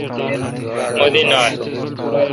مہ دی نال۔